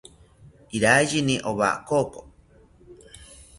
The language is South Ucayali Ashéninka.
Iraiyini owa koko